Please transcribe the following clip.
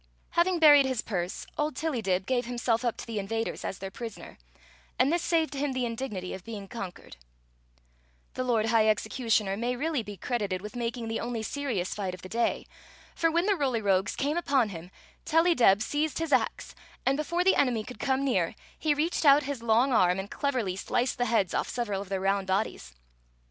Having buried his purse, old Tillydib gave himself up to the invaders as their prisoner; and this saved him the indignity of being conquered. Story of the Magic Cloak 219 The lord high executioner may really be credited with making the only serious fight of the day; for when the Roly Rogues came upon him, Tellydeb omtt tot* MUBO Avm hui and mecicBD mih down." seized his ax, and, before the enemy could come near, he reached out his long arm and cleverly ^iced the heads off several of their round bodies.